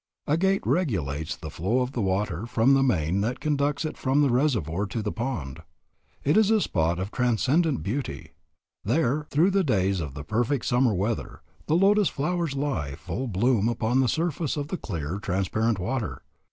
A gate regulates the flow of the water from the main that conducts it from the reservoir to the pond. It is a spot of transcendent beauty. There, through the days of the perfect summer weather, the lotus flowers lie full blown upon the surface of the clear, transparent water.